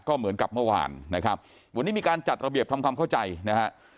ก็เหมือนกับเมื่อวานนะครับวันนี้มีการจัดระเบียบทำความเข้าใจนะฮะ